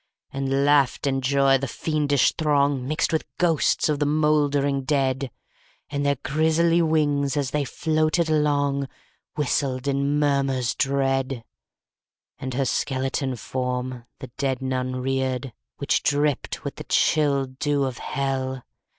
15. And laughed, in joy, the fiendish throng, Mixed with ghosts of the mouldering dead: And their grisly wings, as they floated along, Whistled in murmurs dread. _85 16. And her skeleton form the dead Nun reared Which dripped with the chill dew of hell.